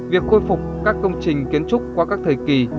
việc khôi phục các công trình kiến trúc qua các thời kỳ